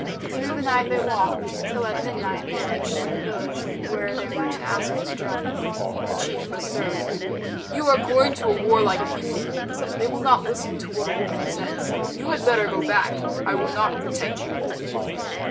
Through the night they walked till at midnight they reached the village where they were to ask for the drum. The chief was surly. "You are going to a warlike people," he said. "They will not listen to what a woman says. You had better go back. I will not protect you."